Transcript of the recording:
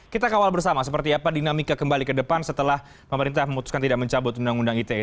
kita kawal bersama seperti apa dinamika kembali ke depan setelah pemerintah memutuskan tidak mencabut undang undang ite